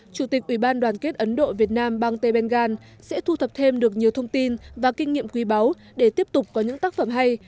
chủ tịch ủy ban đoàn kết ấn độ việt nam bang tbuan sẽ thu thập thêm được nhiều thông tin và kinh nghiệm quý báu để tiếp tục có những tác phẩm hay